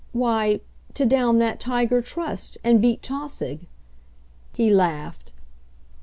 "Why to down that tiger Trust and beat Tausig." He laughed.